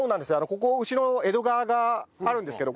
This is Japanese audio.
ここ後ろ江戸川があるんですけど